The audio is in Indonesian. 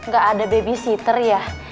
gak ada babysitter ya